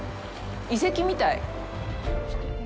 遺跡みたい。